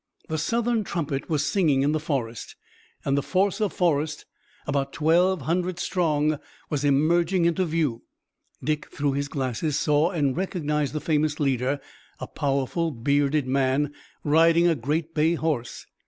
The Southern trumpet was singing in the forest, and the force of Forrest, about twelve hundred strong, was emerging into view. Dick, through his glasses, saw and recognized the famous leader, a powerful, bearded man, riding a great bay horse.